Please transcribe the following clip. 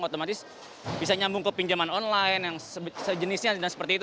otomatis bisa nyambung ke pinjaman online yang sejenisnya dan seperti itu